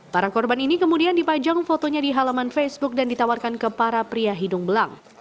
para korban ini kemudian dipajang fotonya di halaman facebook dan ditawarkan ke para pria hidung belang